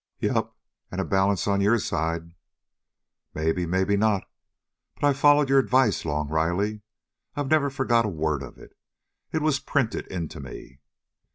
"Yep, and a balance on your side." "Maybe, maybe not. But I've followed your advice, Long Riley. I've never forgot a word of it. It was printed into me!"